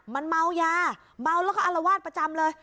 มันเมายาเมาแล้วก็อารวาสประจำเลย